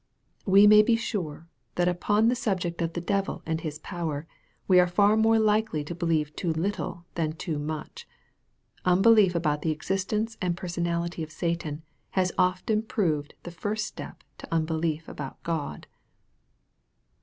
We may be sure, that upon the subject of the devil and his power, we are far more likely to believe too little than too much. Unbelief about the existence and personality of Satan, has often proved the first step to unbelief about God.